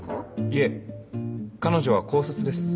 いえ彼女は高卒です。